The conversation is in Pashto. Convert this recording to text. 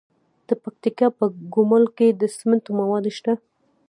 د پکتیکا په ګومل کې د سمنټو مواد شته.